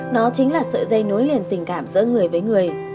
nó chính là sợi dây nối liền tình cảm giữa người với người